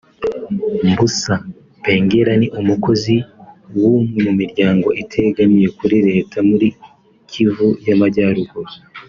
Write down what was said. Mbusa Pengela ni umukozi w’umwe mu miryango itegamiye kuri Leta muri Kivu y’amajyaruguru